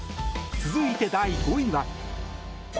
続いて第５位は。